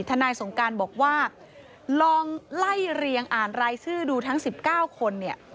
นายสงการบอกว่าลองไล่เรียงอ่านรายชื่อดูทั้ง๑๙คนเนี่ย